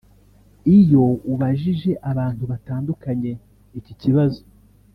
Iyo ubajije abantu batandukanye iki kibazo